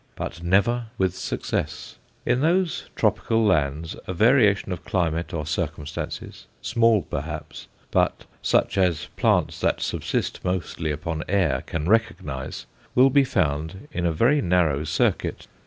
But never with success. In those tropical lands a variation of climate or circumstances, small perhaps, but such as plants that subsist mostly upon air can recognize, will be found in a very narrow circuit.